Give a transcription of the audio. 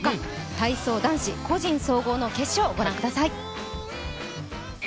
体操男子個人総合の決勝ご覧ください。